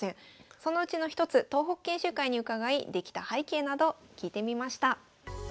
そのうちの一つ東北研修会に伺いできた背景など聞いてみました。